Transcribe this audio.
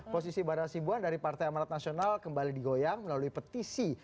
posisi bara sibuan dari partai amarat nasional kembali digoyang melalui petisi